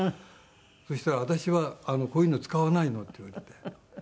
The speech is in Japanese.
そしたら「私はこういうの使わないの」って言われて。